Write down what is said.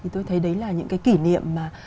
thì tôi thấy đấy là những cái kỷ niệm mà